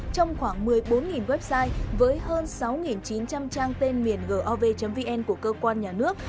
trong khoảng một mươi bốn website với hơn sáu chín trăm linh trang tên miền gov vn của cơ quan nhà nước